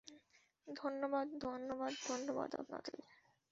ধন্যবাদ, ধন্যবাদ, ধন্যবাদ আপনাদের।